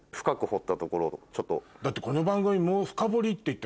だってこの番組。